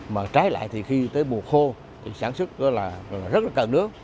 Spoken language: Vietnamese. mà trái lại thì khi tới mùa khô thì sản xuất là rất là cần nước